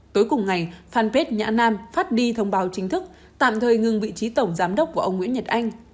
tối cùng ngày fanpage nhã nam phát đi thông báo chính thức tạm thời ngừng vị trí tổng giám đốc của ông nguyễn nhật anh